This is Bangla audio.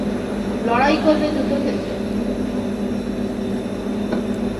লড়াই করে, যুদ্ধক্ষেত্রে।